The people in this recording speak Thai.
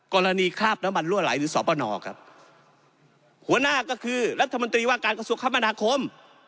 คราบน้ำมันรั่วไหลหรือสปนครับหัวหน้าก็คือรัฐมนตรีว่าการกระทรวงคมนาคม